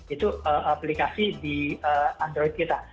itu aplikasi di android kita